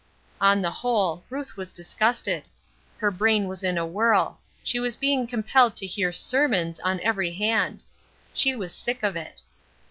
On the whole, Ruth was disgusted. Her brain was in a whirl; she was being compelled to hear sermons on every hand. She was sick of it.